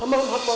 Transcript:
kamu mah ma